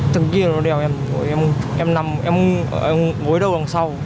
tầng kia nó đèo em em ngối đầu đằng sau